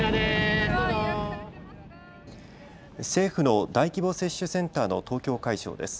政府の大規模接種センターの東京会場です。